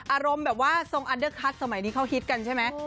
อารมณ์แบบว่าทรงอันเดอร์คัสสมัยนี้เขาฮิตกันใช่ไหม